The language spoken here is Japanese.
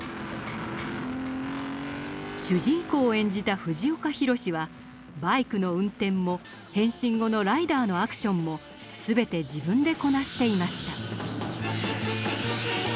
主人公を演じた藤岡弘、はバイクの運転も変身後のライダーのアクションも全て自分でこなしていました。